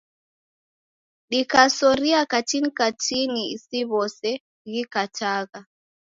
Dikasoria katini katini isiw'ose ghikatagha.